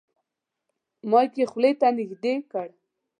مایک یې خولې ته نږدې کړ.